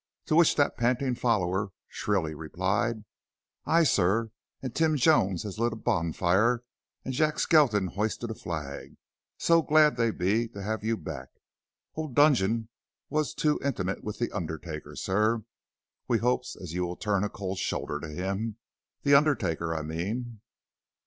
To which that panting follower shrilly replied: "Ay, sir, and Tim Jones has lit a bond fire and Jack Skelton hoisted a flag, so glad they be to have you back. Old Dudgeon was too intimate with the undertaker, sir. We hopes as you will turn a cold shoulder to him the undertaker, I mean."